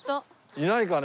いないかね？